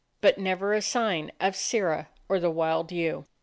But never a sign of Sirrah or the wild ewe.